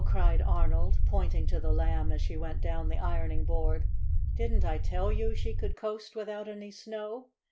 cried Arnold, pointing to the Lamb as she went down the ironing board. "Didn't I tell you she could coast without any snow?"